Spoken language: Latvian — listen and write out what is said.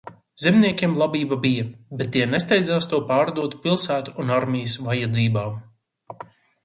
Zemniekiem labība bija, bet tie nesteidzās to pārdot pilsētu un armijas vajadzībām.